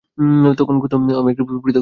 তখন ক্রোধ একটি ও আমি একটি, পৃথক পৃথক ছিলাম।